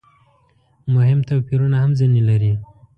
مهم توپیرونه هم ځنې لري.